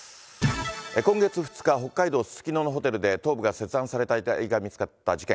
今月２日、北海道すすきののホテルで頭部が切断された遺体が見つかった事件。